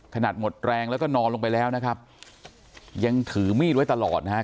หมดแรงแล้วก็นอนลงไปแล้วนะครับยังถือมีดไว้ตลอดนะครับ